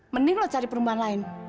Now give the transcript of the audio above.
mending lo cari perumahan lain